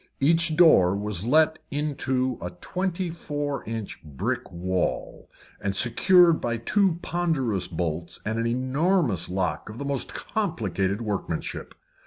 Each door was let into a twenty four inch brick wall, and secured by two ponderous bolts and an enormous lock of the most complicated workmanship.